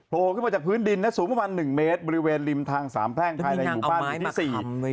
โผล่ขึ้นมาจากพื้นดินสูงประมาณ๑เมตรบริเวณริมทางสามแห้งภายในหมู่บ้านที่๔